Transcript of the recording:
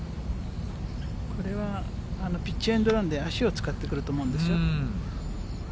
これはピッチエンドランで足を使ってくると思うんですよ。